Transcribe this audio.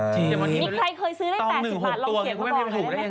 มีใครเคยซื้อได้๘๐บาทล่อเขียนว่าบอกเลยมั้ยค่ะ